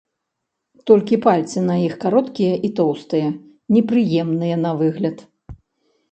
Толькі пальцы на іх кароткія і тоўстыя, непрыемныя на выгляд.